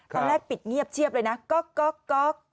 ตอนแรกปิดเงียบเชียบเลยนะก๊อกก๊อกก๊อก